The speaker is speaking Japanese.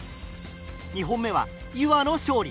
２本目はゆわの勝利。